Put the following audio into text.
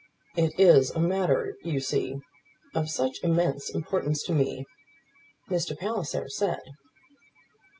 "It is a matter, you see, of such immense importance to me," Mr. Palliser said.